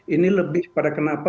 ini lebih pada kenapa